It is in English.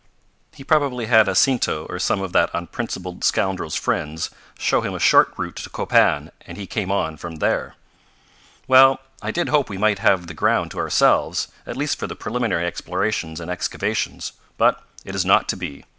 "He probably had Jacinto, or some of that unprincipled scoundrel's friends, show him a short route to Copan and he came on from there." "Well, I did hope we might have the ground to ourselves, at least for the preliminary explorations and excavations. But it is not to be.